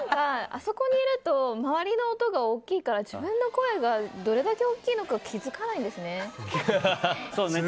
あそこにいると周りの音が大きいから自分の声がどれだけ大きいのか気づかないんですね。